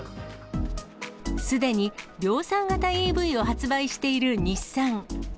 すでに量産型ＥＶを発売している日産。